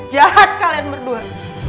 jahat kalian berdua